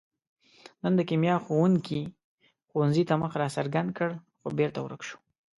نن د کیمیا ښوونګي ښوونځي ته مخ را څرګند کړ، خو بېرته ورک شو.